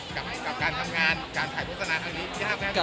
กับการทำงานการขายโฆษณาทางนี้ยากไหมครับ